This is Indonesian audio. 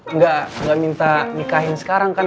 nggak minta nikahin sekarang kan